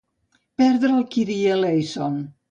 Perdre el kirieleison.